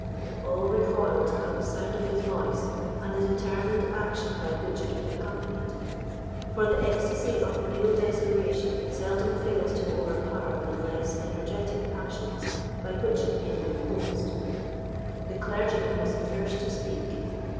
All recoiled at the sound of his voice and the determined action by which it was accompanied; for the ecstasy of real desperation seldom fails to overpower the less energetic passions by which it may be opposed. The clergyman was the first to speak.